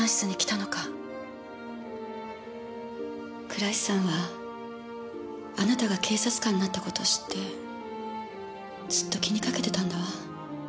倉石さんはあなたが警察官になった事を知ってずっと気にかけてたんだわ。